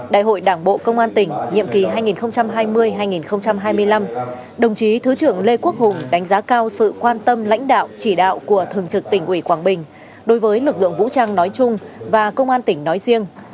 đại hội đảng bộ công an tỉnh nhiệm kỳ hai nghìn hai mươi hai nghìn hai mươi năm đồng chí thứ trưởng lê quốc hùng đánh giá cao sự quan tâm lãnh đạo chỉ đạo của thường trực tỉnh ủy quảng bình đối với lực lượng vũ trang nói chung và công an tỉnh nói riêng